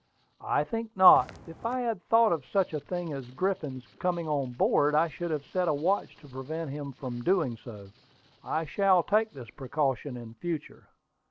"I think not. If I had thought of such a thing as Griffin's coming on board, I should have set a watch to prevent him from doing so. I shall take this precaution in future."